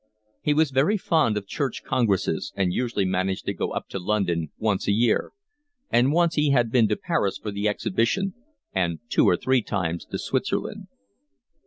He was very fond of Church Congresses and usually managed to go up to London once a year; and once he had been to Paris for the exhibition, and two or three times to Switzerland.